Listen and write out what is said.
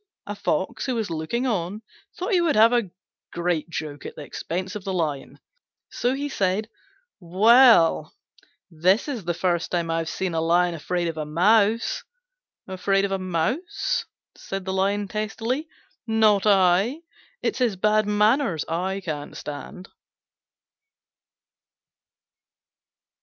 A Fox, who was looking on, thought he would have a joke at the expense of the Lion; so he said, "Well, this is the first time I've seen a Lion afraid of a Mouse." "Afraid of a Mouse?" said the Lion testily: "not I! It's his bad manners I can't stand."